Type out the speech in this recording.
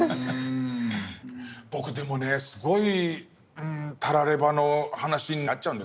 僕でもねすごいたらればの話になっちゃうんですけどね